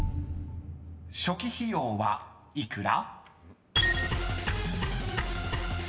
［初期費用は幾ら？］